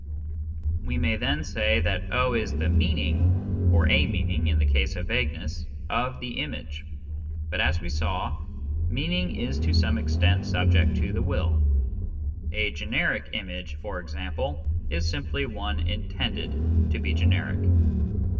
We may then say that is the " meaning " (or a meaning, in the case of vagueness) of the image. But, as we saw, meaning is to some extent subject to the will : a " generic" image, for example, is simply one intended to be generic.